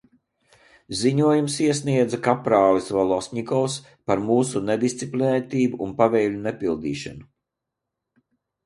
Ziņojumus iesniedza kaprālis Volosņikovs par mūsu nedisciplinētību un pavēļu nepildīšanu.